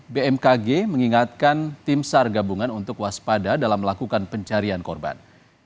bmkg mengingatkan tim sar gabungan untuk waspada dalam melakukan pencarian korban